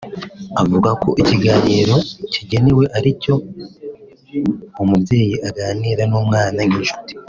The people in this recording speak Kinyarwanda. Avuga ko ikiganiro gikenewe ari icyo umubyeyi aganira n’umwana nk’inshuti